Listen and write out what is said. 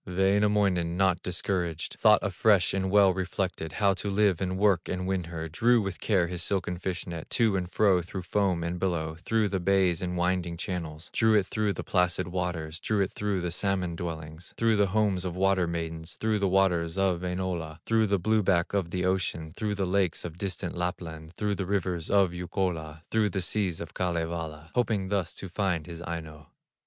Wainamoinen, not discouraged, Thought afresh and well reflected, How to live, and work, and win her; Drew with care his silken fish net, To and fro through foam and billow, Through the bays and winding channels, Drew it through the placid waters, Drew it through the salmon dwellings, Through the homes of water maidens, Through the waters of Wainola, Through the blue back of the ocean, Through the lakes of distant Lapland, Through the rivers of Youkola, Through the seas of Kalevala, Hoping thus to find his Aino.